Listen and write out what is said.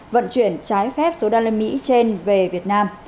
vận chuyển trái phép số đa lâm mỹ trên về việt nam